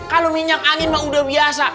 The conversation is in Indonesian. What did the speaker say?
kalau minyak angin mah udah biasa